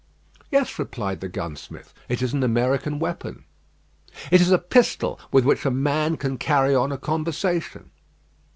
"Yes," replied the gunsmith. "It is an American weapon." "It is a pistol with which a man can carry on a conversation."